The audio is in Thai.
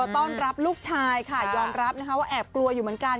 ต้อนรับลูกชายค่ะยอมรับนะคะว่าแอบกลัวอยู่เหมือนกัน